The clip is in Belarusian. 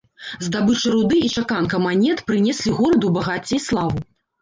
Здабыча руды і чаканка манет прынеслі гораду багацце і славу.